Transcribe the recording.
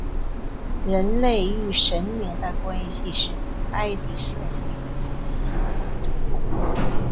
人类与神灵的关系是古埃及社会的一个基本组成部分。